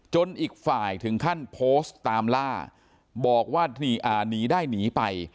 อีกฝ่ายถึงขั้นโพสต์ตามล่าบอกว่าหนีได้หนีไป